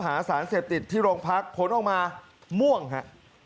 หาสารเสพติดที่โรงพักผลออกมาม่วงฮะ